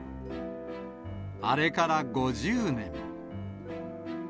あれから５０年。